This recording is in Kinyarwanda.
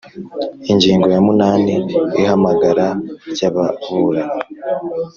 Ingingo ya munani Ihamagara ry ababuranyi